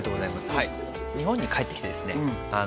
はい日本に帰ってきてですね